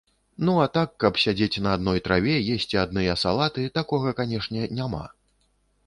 Ну а так, каб сядзець на адной траве, есці адныя салаты, такога, канешне, няма.